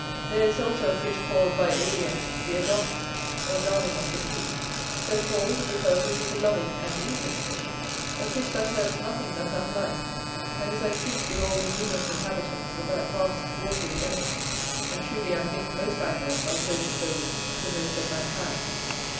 There is also a fish called by Ælian the Adonis, or Darling of the Sea; so called, because it is a loving and innocent fish, a fish that hurts nothing that hath life, and is at peace with all the numerous inhabitants of that vast watery element; and truly, I think most Anglers are so disposed to most of mankind.